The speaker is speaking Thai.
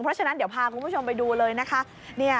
เพราะฉะนั้นเดี๋ยวพาคุณผู้ชมไปดูเลยนะคะ